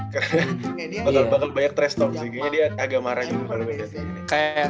karena bakal banyak trash talk sih kayaknya dia agak marah gitu kalau gue lihat